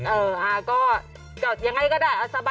เออก็จอดยังไงก็ได้สบาย